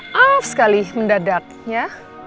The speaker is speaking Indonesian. maaf sekali mendadak ya